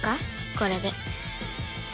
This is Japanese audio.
これで。